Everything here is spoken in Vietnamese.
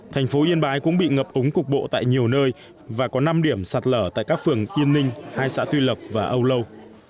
thành phố yên bái cũng bị ngập ống cục bộ tại nhiều nơi và có năm điểm sạt lở tại các phường yên ninh hai xã tuy lộc và âu lâu